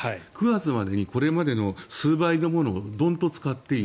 ９月までにこれまでの数倍のものをドンと使っていい。